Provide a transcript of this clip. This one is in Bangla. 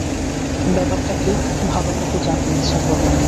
ব্যাপারটা কী, ভালোমতো জানতে ইচ্ছে করে।